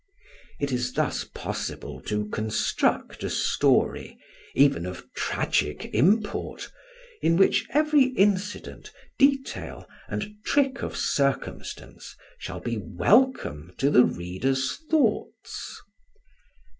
It is thus possible to construct a story, even of tragic import, in which every incident, detail and trick of circumstance shall be welcome to the reader's thoughts.